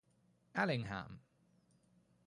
Allingham.